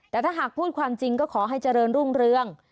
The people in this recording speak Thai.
แต่ถ้าหากพูดความจริงก็ขอให้เจริญรุ่งเรือง